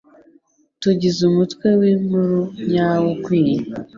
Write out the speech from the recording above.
tugize umutwe winkuru nyawo ukwiye